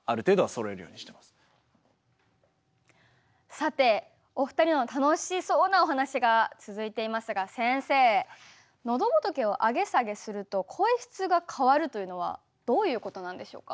さてお二人の楽しそうなお話が続いていますが先生のどぼとけを上げ下げすると声質が変わるというのはどういうことなんでしょうか？